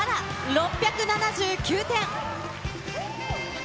６７９点。